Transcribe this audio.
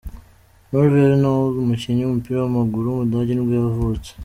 Marvin Knoll, umukinnyi w’umupira w’amaguru w’umudage nibwo yavutse.